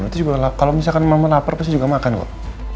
itu juga kalau misalkan mama lapar pasti juga makan kok